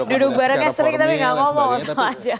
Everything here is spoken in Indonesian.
duduk barengnya sering tapi tidak ngomong sama saja